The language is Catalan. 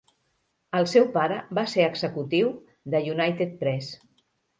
El seu pare va ser executiu de United Press.